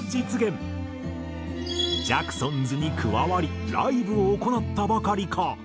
ジャクソンズに加わりライブを行ったばかりか。